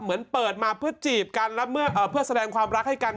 เหมือนเปิดมาเพื่อสแดนความรักให้กัน